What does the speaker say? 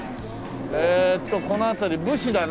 えーっとこの辺り武士だな。